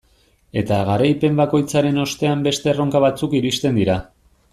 Eta garaipen bakoitzaren ostean beste erronka batzuk iristen dira.